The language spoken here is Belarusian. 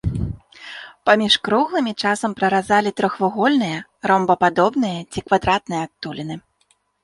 Паміж круглымі часам праразалі трохвугольныя, ромбападобныя ці квадратныя адтуліны.